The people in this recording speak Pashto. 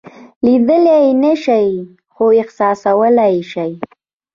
لیدلی یې نشئ خو احساسولای یې شئ.